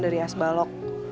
dari s balok